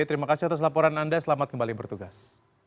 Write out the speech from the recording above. terima kasih atas laporan anda selamat kembali bertugas